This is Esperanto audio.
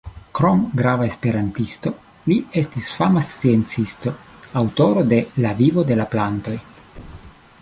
Krom grava esperantisto, li estis fama sciencisto, aŭtoro de “La Vivo de la Plantoj”.